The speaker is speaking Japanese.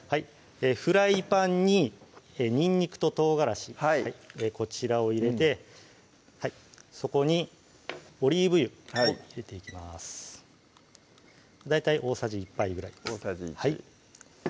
フライパンににんにくと唐辛子こちらを入れてそこにオリーブ油入れていきます大体大さじ１杯ぐらい大さじ１